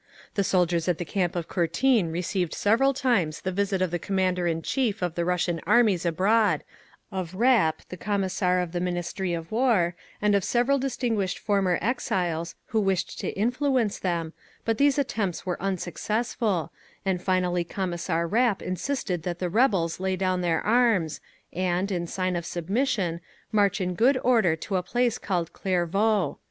The soldiers at the camp of Courtine received several times the visit of the Commander in Chief of the Russian Armies abroad, of Rapp, the Commissar of the Ministry of War, and of several distinguished former exiles who wished to influence them, but these attempts were unsuccessful, and finally Commissar Rapp insisted that the rebels lay down their arms, and, in sign of submission, march in good order to a place called Clairvaux.